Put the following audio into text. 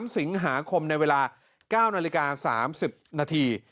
๓สิงหาคมในเวลา๙นาฬิกา๓๐นาที